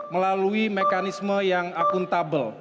melalui mekanisme yang akuntabel